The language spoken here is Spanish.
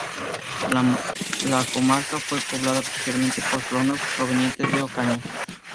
La comarca fue poblada posteriormente por colonos provenientes de Ocaña.